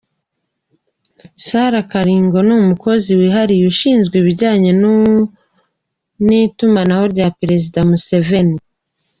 Sarah Kagingo ni Umukozi wihariye ushinzwe ibijyanye n’itumanaho rya Perezida Museveni.